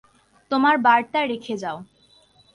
তোমার বার্তা রেখে যাও।